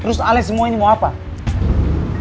gue mau kasih tau sesuatu sama lo